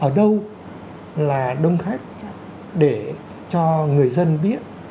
ở đâu là đông khách để cho người dân biết